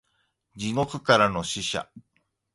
地獄からの使者